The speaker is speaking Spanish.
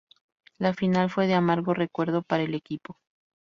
La final fue de amargo recuerdo para el equipo.